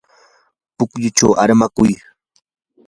pukyuchaw armakuy.